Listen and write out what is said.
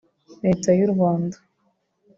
Leta y’u Rwanda